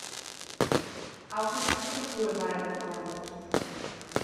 Auch mit Ludwig Hohl war er befreundet.